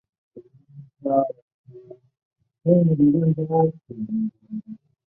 佩纳福蒂是巴西塞阿拉州的一个市镇。